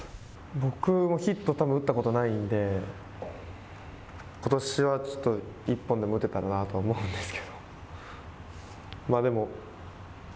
僕もヒット、たぶん打ったことないんで、ことしはちょっと、１本でも打てたらなとは思うんですけど。